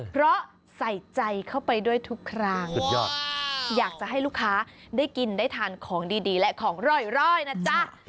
เพราะใส่ใจเข้าไปด้วยทุกครั้งสุดยอดอยากจะให้ลูกค้าได้กินได้ทานของดีและของร่อยนะจ๊ะ